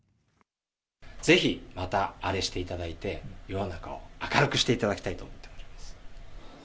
ぜひまた、アレしていただいて、世の中を明るくしていただきたいと思っております。